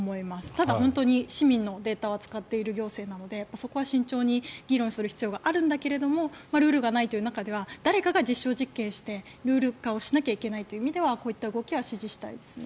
ただ、本当に市民のデータを扱っている行政なのでそこは慎重に議論する必要があるんだけどルールがないという中では誰かが実証実験をしてルール化をしなきゃいけないという意味ではこういった動きは支持したいですね。